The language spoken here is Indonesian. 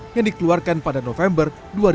yang dikeluarkan pada november dua ribu delapan belas